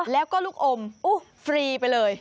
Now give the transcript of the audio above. แล้วก็ลูกอมฟรีไปเลย